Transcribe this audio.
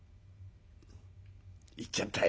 「行っちゃったよ。